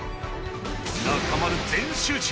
中丸、全集中。